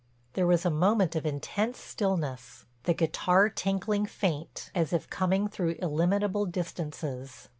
There was a moment of intense stillness, the guitar tinkling faint as if coming through illimitable distances.